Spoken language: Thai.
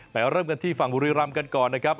เริ่มกันที่ฝั่งบุรีรำกันก่อนนะครับ